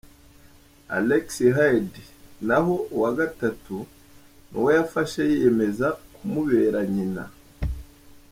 Alex Heard naho uwa gatatu ni uwo yafashe yiyemeza kumubera nyina.